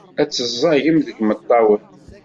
Ad tezzağğaw deg imeṭṭawen.